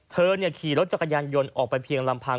ขี่รถจักรยานยนต์ออกไปเพียงลำพัง